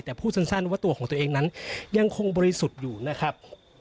แต่พูดสั้นว่าตัวของตัวเองนั้นยังคงบริสุทธิ์อยู่นะครับ